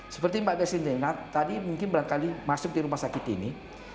seperti mbak des tadi mungkin beberapa kali masuk di rumah sakit ini